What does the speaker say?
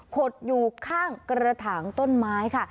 ขดอยู่ข้างกระถางต้นไม้ค่ะ